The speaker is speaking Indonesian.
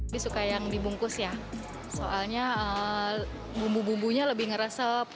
lebih suka yang dibungkus ya soalnya bumbu bumbunya lebih ngeresep